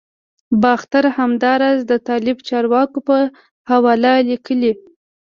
باختر همداراز د طالب چارواکو په حواله لیکلي